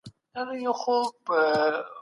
تاسي کله د پښتو د نويو اصطلاحاتو په اړه وپوښتل؟